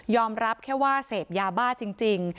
รับแค่ว่าเสพยาบ้าจริง